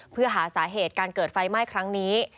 เพื่อหาสาเหตุการเกิดไฟไหม้ครั้งนี้